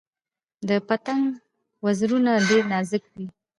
د پتنګ وزرونه ډیر نازک وي